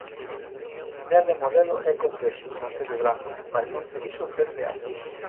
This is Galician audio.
"Cambiar de modelo é complexo", concede Branco, mais non por iso perde azos.